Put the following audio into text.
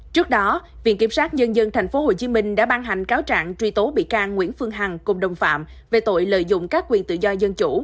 trước đó viện kiểm sát nhân dân tp hcm đã ban hành cáo trạng truy tố bị can nguyễn phương hằng cùng đồng phạm về tội lợi dụng các quyền tự do dân chủ